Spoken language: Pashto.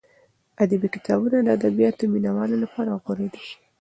ادبي کتابونه د ادبیاتو مینه والو لپاره غوره دي.